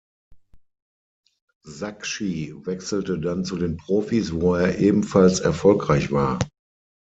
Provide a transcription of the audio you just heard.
Sacchi wechselte dann zu den Profis, wo er ebenfalls erfolgreich war.